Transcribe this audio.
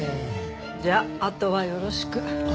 じゃああとはよろしく。